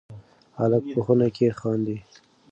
هلک په خونه کې خاندي.